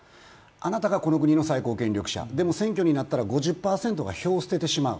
あなたがこの国の最高権力者、でも選挙になったら５０％が票を捨ててしまう。